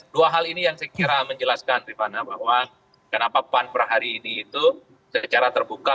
dua hal ini yang saya kira menjelaskan rifana bahwa kenapa pan per hari ini itu secara terbuka